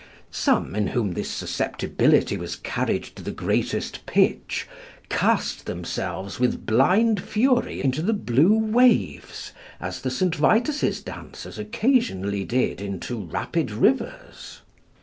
Some, in whom this susceptibility was carried to the greatest pitch, cast themselves with blind fury into the blue waves, as the St. Vitus's dancers occasionally did into rapid rivers.